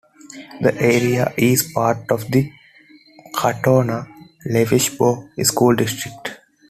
The area is part of the Katonah-Lewisboro school district.